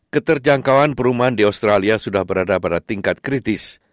keterjangkauan perumahan di australia sudah berada pada tingkat kritis